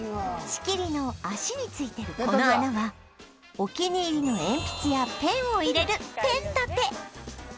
仕切りの脚についてるこの穴はお気に入りの鉛筆やペンを入れるペン立て